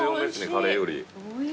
カレーより。